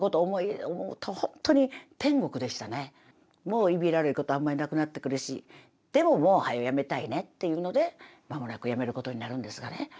もういびられることあんまりなくなってくるしでももうはよ辞めたいねっていうので間もなく辞めることになるんですがね。